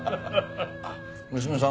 あ娘さん